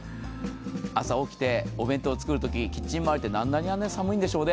朝起きて、お弁当を作るときキッチンまわって、何であんなに寒いんでしょうね。